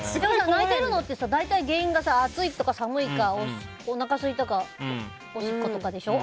泣いてるのって原因が暑いとか寒いとかおなかすいたかおしっことかでしょ。